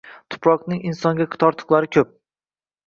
Tuproqning insonga tortiqlari ko’p